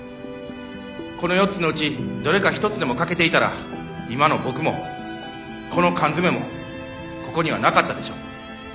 この４つのうちどれか一つでも欠けていたら今の僕もこの缶詰もここにはなかったでしょう。